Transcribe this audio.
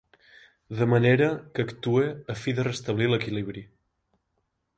De manera que actue a fi de restablir l'equilibri.